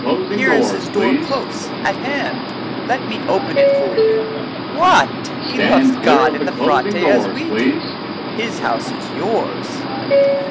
Here is his door close at hand. Let me open it for you. What! he loves God and the Frate as we do. His house is yours."